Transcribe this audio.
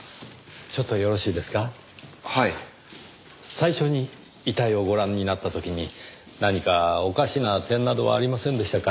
最初に遺体をご覧になった時に何かおかしな点などはありませんでしたか？